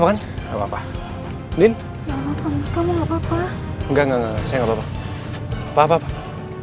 dan sekarang anda juga mau ikut ikutan